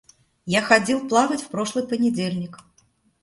Я ходил плавать в прошлый понедельник.